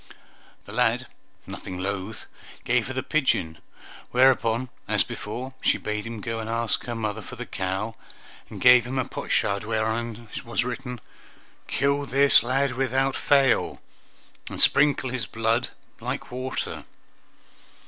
The lad, nothing loth, gave her the pigeon; whereupon, as before, she bade him go and ask her mother for the cow, and gave him a potsherd where on was written, "Kill this lad without fail, and sprinkle his blood like water!"